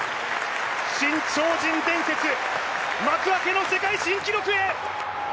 新超人伝説、幕開けの世界新記録へ！